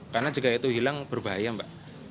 karena jika itu hilang berbahaya